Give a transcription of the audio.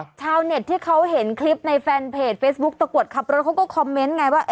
ชาวเน็ตที่เขาเห็นคลิปในแฟนเพจเฟซบุ๊คตะกรวดขับรถเขาก็คอมเมนต์ไงว่า